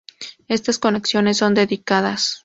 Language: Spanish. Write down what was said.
Estas conexiones son dedicadas.